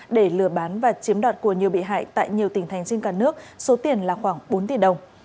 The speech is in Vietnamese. để lừa bán và chiếm đoạt của nhiều bị hại tại nhiều tỉnh thành trên cả nước số tiền là khoảng bốn tỷ đồng